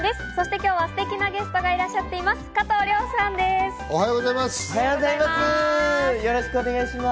今日はステキなゲストがいらっしゃっています。